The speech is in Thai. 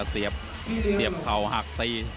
เสียบเข่าหักตี